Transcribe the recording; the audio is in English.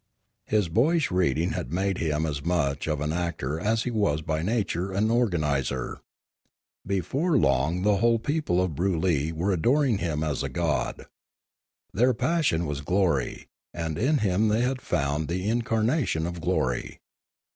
His boyish reading had made him as much of an actor as he was by nature an organiser. Before long the whole people of Broolyi were adoring him as a god. Their passion was glory ; and in him they had found the incarnation of glory.